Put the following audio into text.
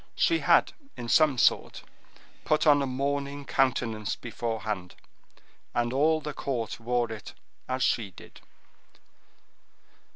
She had, in some sort, put on a mourning countenance beforehand, and all the court wore it as she did.